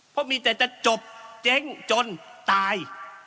เพราะมีแต่จะจบเจ๊งจนตาย